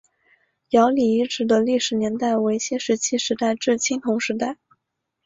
姚李遗址的历史年代为新石器时代至青铜时代。